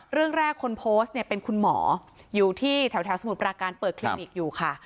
เรื่องแรกคนโพสต์เนี่ยเป็นคุณหมออยู่ที่แถวสมุทรปราการเปิดคลินิกอยู่ค่ะ